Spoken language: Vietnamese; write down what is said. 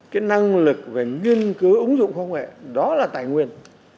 cái năng lực về nghiên cứu ứng dụng khoa học nghệ đó là tài nguyên